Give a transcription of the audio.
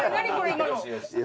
今の。